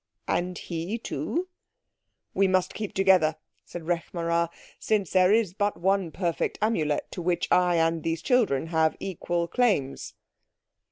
"And he, too?" "We must keep together," said Rekh marā, "since there is but one perfect Amulet to which I and these children have equal claims."